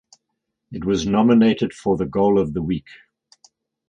It was nominated for Goal of the Week.